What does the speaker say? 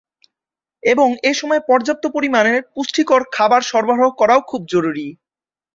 এবং এসময় পর্যাপ্ত পরিমাণে পুষ্টিকর খাবার সরবরাহ করাও খুব জরুরী।